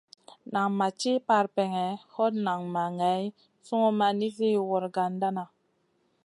Nan ma ci parpèŋè, hot nan ma ŋay sungun ma nizi wragandana.